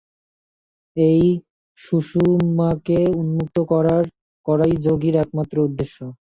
এই সুষুম্নাকে উন্মুক্ত করাই যোগীর একমাত্র উদ্দেশ্য।